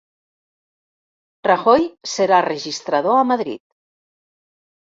Rajoy serà registrador a Madrid